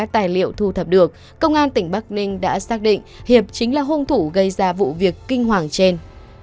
tài liệu thu thập được công an tỉnh bắc ninh đã xác định hiệp chính là hung thủ gây ra vụ việc kinh hoàng trên